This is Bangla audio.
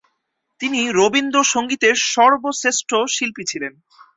তিনি রবীন্দ্র সংগীতের সর্বশ্রেষ্ঠ শিল্পী ছিলেন।